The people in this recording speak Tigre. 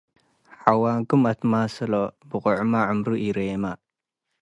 . ሐዋንኩም አትማስሎ። ብቆዕመ ዕምሩ ኢሬመ፣